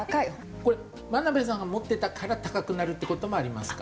これ眞鍋さんが持ってたから高くなるっていう事もありますか？